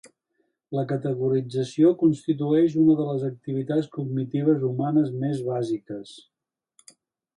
La categorització constitueix una de les activitats cognitives humanes més bàsiques.